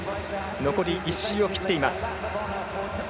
残り１周を切っています。